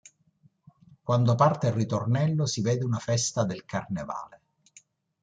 Quando parte il ritornello si vede una festa del carnevale.